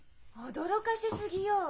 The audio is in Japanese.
驚かせすぎよ。